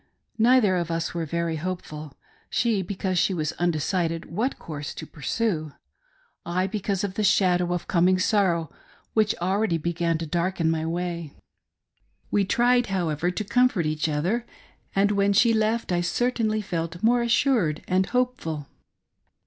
Neither of us were very hopeful — she because she was undecided what course to pursue ; I because of the shadow of coming sorrow which already began to darken my way. We tried, however, to comfort each other; and when, she left I certainly felt more assured and hopeful.